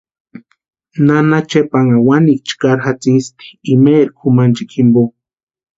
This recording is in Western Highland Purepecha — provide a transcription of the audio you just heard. Nana Chepanha wani chkari jatsisti imaeri kʼumanchikwa jimpo.